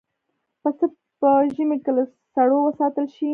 پسه په ژمي کې له سړو وساتل شي.